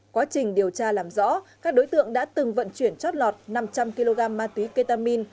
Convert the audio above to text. quá trình điều tra làm rõ các đối tượng đã từng vận chuyển chót lọt năm trăm linh kg ma túy ketamin